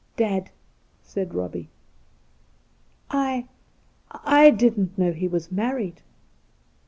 ' Dead !' said Eobbie. * I — I didn't know he was married.'